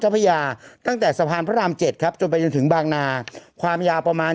พระยาตั้งแต่สะพานพระรามเจ็ดครับจนไปจนถึงบางนาความยาวประมาณ